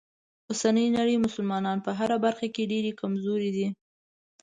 اوسنۍ نړۍ مسلمانان په هره برخه کې ډیره کمزوری دي.